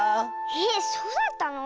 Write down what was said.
えっそうだったの？